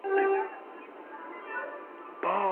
جهاني به پر لکړه پر کوڅو د جانان ګرځي.